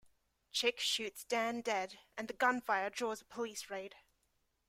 Chick shoots Dan dead and the gunfire draws a police raid.